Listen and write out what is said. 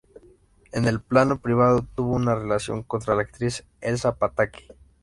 En el plano privado tuvo una relación con la actriz Elsa Pataky.